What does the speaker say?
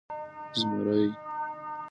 🦬 زمری